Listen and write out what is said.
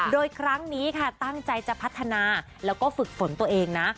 โดยครั้งนี้ค่ะตั้งใจจะพัฒนาแล้วก็ฝึกฝนตัวเองนะ